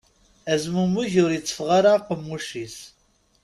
Azmumeg ur itteffeɣ ara aqemmuc-is.